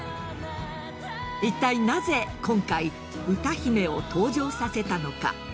いったいなぜ今回、歌姫を登場させたのか。